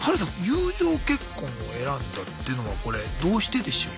友情結婚を選んだっていうのはこれどうしてでしょう？